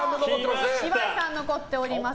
岩井さん残っております。